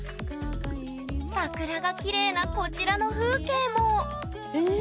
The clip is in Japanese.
桜がきれいなこちらの風景もええ？